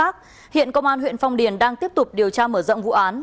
công an huyện phong điền đang tiếp tục đấu tranh mở rộng vụ án